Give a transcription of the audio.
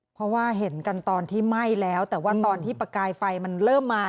เพราะว่าเห็นกันตอนที่ไหม้แล้วแต่ว่าตอนที่ประกายไฟมันเริ่มมา